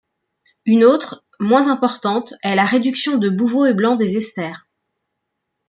Une autre, moins importante, est la réduction de Bouveault et Blanc des esters.